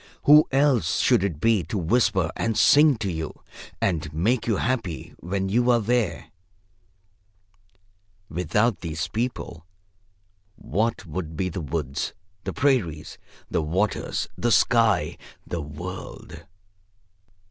Who else should it be to whisper and sing to you and make you happy when you are there? Without these people, what would be the woods, the prairies, the waters, the sky, the world?